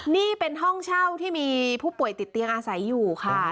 นี่เป็นห้องเช่าที่มีผู้ป่วยติดเตียงอาศัยอยู่ค่ะ